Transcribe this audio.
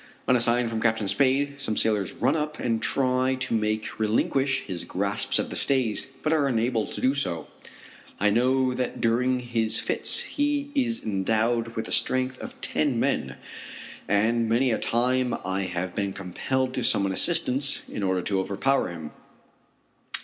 On a sign from Captain Spade, some sailors run up and try to make him relinquish his grasp of the stays, but are unable to do so. I know that during his fits he is endowed with the strength of ten men, and many a time I have been compelled to summon assistance in order to overpower him.